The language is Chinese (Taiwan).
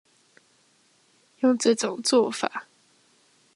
用這種作法